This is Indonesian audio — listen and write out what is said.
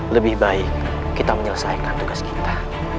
lebih baik kita menyelesaikan tugas kita